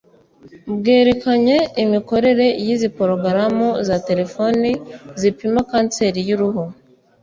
Bwerekanye imikorere y’izi porogaramu za telefoni zipima kanseri y’uruhu